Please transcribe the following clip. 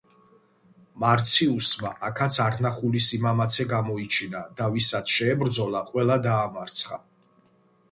მარციუსმა აქაც არნახული სიმამაცე გამოიჩინა და ვისაც შეებრძოლა ყველა დაამარცხა.